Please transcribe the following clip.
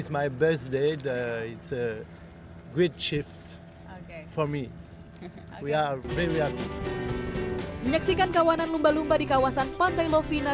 menyaksikan kawanan lumba lumba di kawasan pantai lovina